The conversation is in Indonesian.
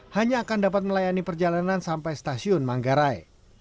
hanya akan dapat melayani perjalanan sampai stasiun manggarai